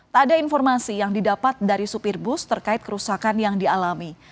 tak ada informasi yang didapat dari supir bus terkait kerusakan yang dialami